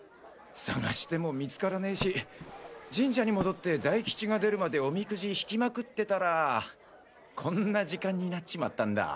探しても見つからねし神社に戻って大吉が出るまでおみくじ引きまくってたらこんな時間になっちまったんだ。